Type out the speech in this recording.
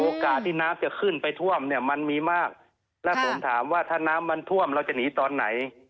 โอกาสที่น้ำจะขึ้นไปท่วมเนี่ยมันมีมากแล้วผมถามว่าถ้าน้ำมันท่วมเราจะหนีตอนไหน